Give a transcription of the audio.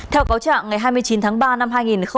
theo cáo trạng ngày hai mươi chín tháng ba năm hai nghìn hai mươi